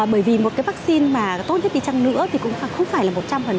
bởi vì một cái vaccine mà tốt nhất đi chăng nữa thì cũng không phải là một trăm linh